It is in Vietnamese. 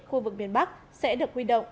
khu vực miền bắc sẽ được huy động